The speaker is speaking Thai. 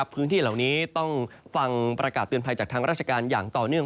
พื้นที่เหล่านี้ต้องฟังประกาศเตือนภัยจากทางราชการอย่างต่อเนื่อง